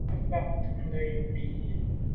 Mbat nka’ tonte yub yi.